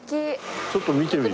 ちょっと見てみる？